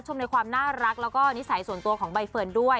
ชมในความน่ารักแล้วก็นิสัยส่วนตัวของใบเฟิร์นด้วย